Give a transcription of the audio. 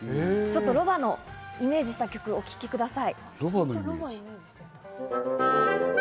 ロバのイメージした曲をお聴きください。